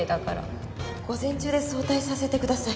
午前中で早退させてください。